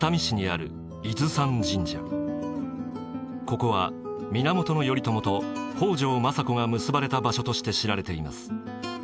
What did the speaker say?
ここは源頼朝と北条政子が結ばれた場所として知られています。